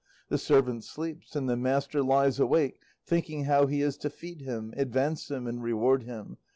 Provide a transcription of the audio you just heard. The servant sleeps and the master lies awake thinking how he is to feed him, advance him, and reward him.